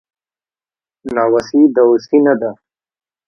ناوسي دووسي نده